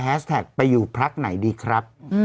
แฮสแท็กไปอยู่พลักษณ์ไหนดีครับ